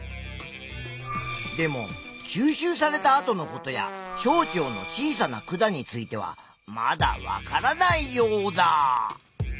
でも吸収されたあとのことや小腸の小さな管についてはまだわからないヨウダ！